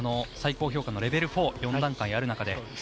最高評価のレベル４４段階ある中で。